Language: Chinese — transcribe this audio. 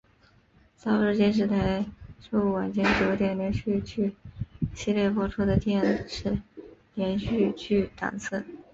朝日电视台周五晚间九点连续剧系列播出的电视连续剧档次。